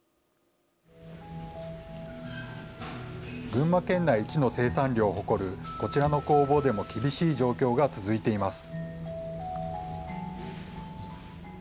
群馬県内一の生産量を誇るこちらの工房でも厳しい状況が続いています。